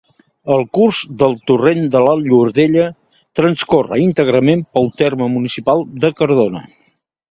El curs del Torrent de la Llordella transcorre íntegrament pel terme municipal de Cardona.